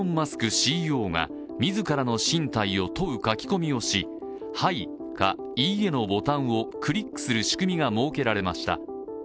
ＣＥＯが自らの進退を問う書き込みをし、「はい」か「いいえ」のボタンをクリックする仕組みが設けられました。